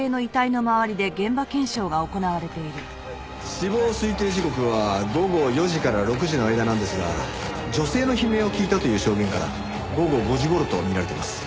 死亡推定時刻は午後４時から６時の間なんですが女性の悲鳴を聞いたという証言から午後５時頃とみられてます。